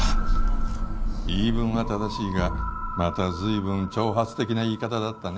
言い分は正しいがまた随分挑発的な言い方だったね